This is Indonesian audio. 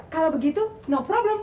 kalau begitu no problem